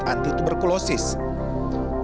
akan diketahui apakah pasien kebal terhadap obat